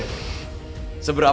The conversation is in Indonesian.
sepuluh angin berakhir